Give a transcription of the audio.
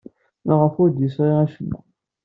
Maɣef ur d-yesɣi acemma?